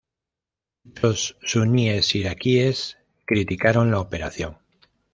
Muchos suníes iraquíes criticaron la operación.